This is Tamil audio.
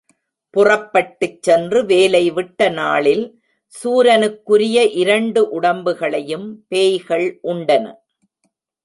புறப்பட்டுச் சென்று வேலை விட்ட நாளில் சூரனுக்குரிய இரண்டு உடம்புகளையும் பேய்கள் உண்டன.